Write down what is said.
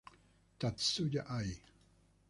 Tatsuya Ai